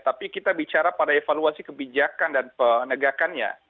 tapi kita bicara pada evaluasi kebijakan dan penegakannya